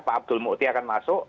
pak abdul mukti akan masuk